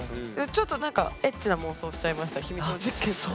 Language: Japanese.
ちょっとなんかエッチな妄想しちゃいました秘密の実験って。